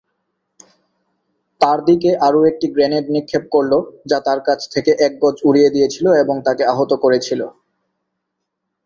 তার দিকে আরও একটি গ্রেনেড নিক্ষেপ করল যা তার কাছ থেকে এক গজ উড়িয়ে দিয়েছিল এবং তাকে আহত করেছিল।